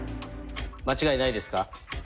間違いないですか？